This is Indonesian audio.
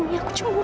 bukan urusan aku